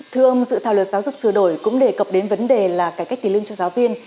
thưa ông dự thảo luật giáo dục sửa đổi cũng đề cập đến vấn đề là cải cách tiền lương cho giáo viên